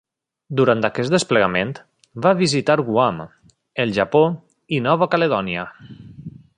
Durant aquest desplegament, va visitar Guam, el Japó i Nova Caledònia.